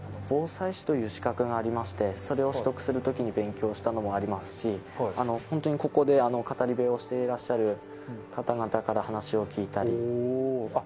防災士という資格がありまして、それを取得するときに勉強したのもありますし、本当にここで語り部をしていらっしゃる方々から話を聞いたり。